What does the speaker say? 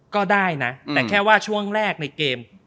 ก็ได้นะแต่แค่ว่าช่วงแรกในเกม